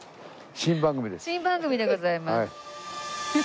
新番組でございます。